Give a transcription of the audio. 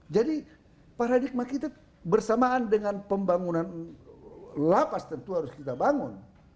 jadi paradigma kita bersamaan dengan pembangunan lapas tentu harus kita bangun